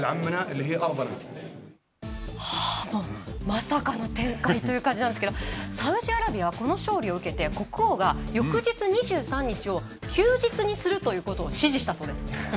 まさかの展開という感じなんですけどサウジアラビアはこの勝利を受けて国王が翌日２３日を休日にするということを指示したそうです。